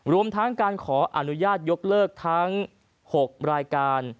รวมทั้งการขออนุญาตยกเลิกทั้ง๖รายการ